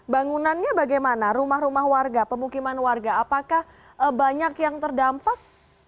bangunannya bagaimana rumah rumah warga pemukiman warga apakah banyak yang terdampak